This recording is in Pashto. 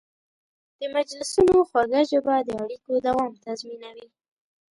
د مجلسونو خوږه ژبه د اړیکو دوام تضمینوي.